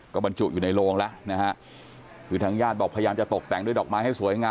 ก็บรรจุอยู่ในโรงแล้วนะฮะคือทางญาติบอกพยายามจะตกแต่งด้วยดอกไม้ให้สวยงาม